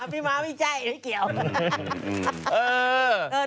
พี่ม้าไม่ใช่ไม่เกี่ยว